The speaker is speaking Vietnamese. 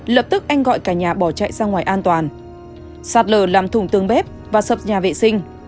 lập tức anh gọi cả nhà bỏ chạy sang ngoài an toàn sạt lở làm thùng tương bếp và sập nhà vệ sinh